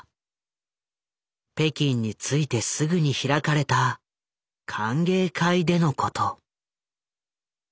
北京に着いてすぐに開かれた歓迎会でのこと。